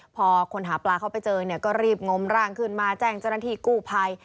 พอคนหาปลาเขาไปเจอเนี่ยก็รีบงมร่างขึ้นมาแจ้งเจ้าหน้าที่กู้ภัย